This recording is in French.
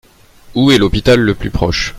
Où est l’hôpital le plus proche ?